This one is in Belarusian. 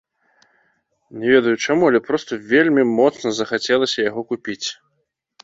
Не ведаю чаму, але проста вельмі моцна захацелася яго купіць.